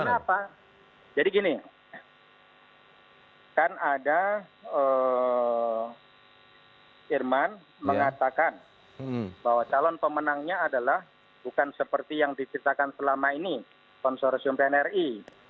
karena apa jadi gini kan ada irman mengatakan bahwa calon pemenangnya adalah bukan seperti yang diceritakan selama ini konsorsium pnri